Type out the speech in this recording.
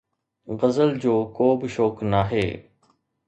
غزل جو ڪو به شوق ناهي